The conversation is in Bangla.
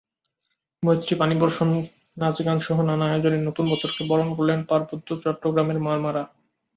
মৈত্রী পানিবর্ষণ, নাচ-গানসহ নানা আয়োজনে নতুন বছরকে বরণ করলেন পার্বত্য চট্টগ্রামের মারমারা।